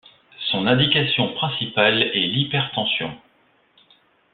Son indication principale est l'hypertension.